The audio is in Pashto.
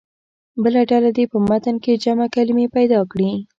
بله ډله دې په متن کې جمع کلمې پیدا کړي.